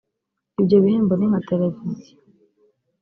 Ibyo bihembo ni nka television